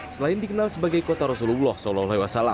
selain dikenal sebagai kota rasulullah saw